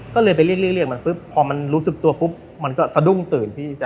ก็เลยไปเรียกมันปุ๊บพอมันรู้สึกตัวปุ๊บมันก็สะดุ้งตื่นพี่